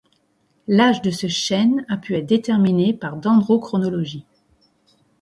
L'âge de ce chêne a pu être déterminé par dendrochronologie.